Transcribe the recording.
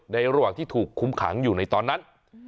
ระหว่างที่ถูกคุมขังอยู่ในตอนนั้น